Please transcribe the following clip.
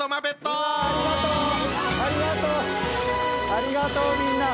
ありがとうみんな。